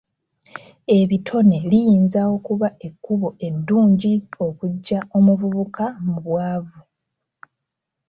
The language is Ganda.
Ebitone liyinza okuba ekkubo eddungi okuggya abavubuka mu bwavu.